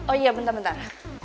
oh iya bentar bentar